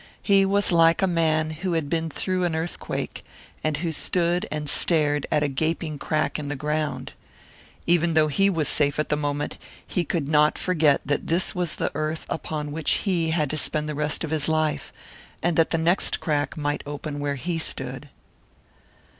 He was like a man who had been through an earthquake, and who stood and stared at a gaping crack in the ground. Even though he was safe at the moment, he could not forget that this was the earth upon which he had to spend the rest of his life, and that the next crack might open where he stood.